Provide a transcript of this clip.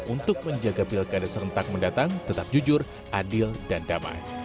untuk menjaga pilkada serentak mendatang tetap jujur adil dan damai